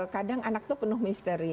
kadang anak itu penuh misteri